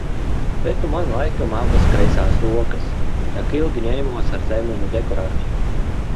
Bet nu man laikam abas kreisās rokas, tak ilgi ņēmos ar zemeņu dekorāciju.